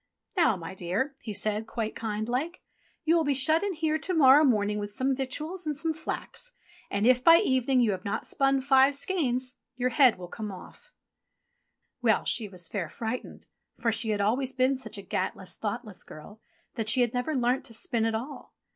"Now, my dear," he said quite kind like, "you will be TOM TIT TOT 29 shut in here to morrow morning with some victuals and some flax, and if by evening you have not spun five skeins, your head will come off/* Well, she was fair frightened, for she had always been such a gatless thoughtless girl that she had never learnt to spin at all.